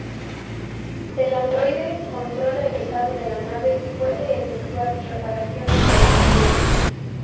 El androide controla el estado de la nave y puede efectuar reparaciones de emergencia.